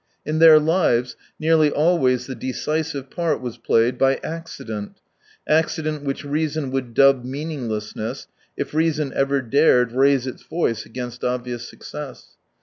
In their lives nearly always the decisive part was played by accident, accident which reason would dub meaninglessness, if reason ever dared raise its voice against obvious success.